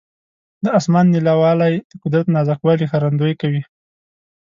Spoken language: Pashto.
د اسمان نیلاوالی د قدرت نازک والي ښکارندویي کوي.